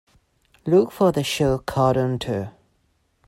Look for the show Card Hunter